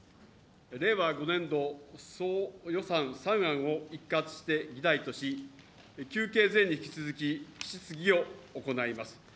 令和５年度総予算３案を一括して議題とし、休憩前に引き続き、質疑を行います。